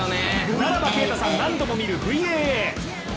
ならば啓太さん、何度も見るＶＡＡ。